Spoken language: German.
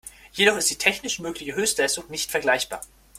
Jedoch ist die technisch mögliche Höchstleistung nicht vergleichbar.